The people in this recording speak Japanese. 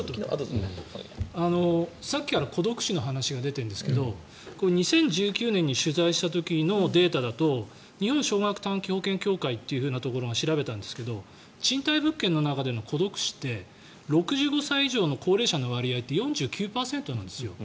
さっきから孤独死の話が出ているんですが２０１９年に取材した時のデータだと日本少額短期保険協会というところが調べたんですが賃貸物件の中での孤独死って６５歳以上の高齢者の割合って４９％なんですよ。